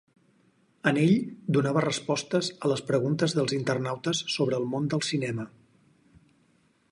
En ell donava respostes a les preguntes dels internautes sobre el món del cinema.